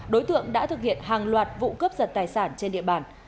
đối tượng đã thực hiện hàng loạt vụ cướp giật tài sản trên địa bàn